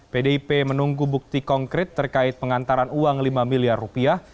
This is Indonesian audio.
pdip menunggu bukti konkret terkait pengantaran uang lima miliar rupiah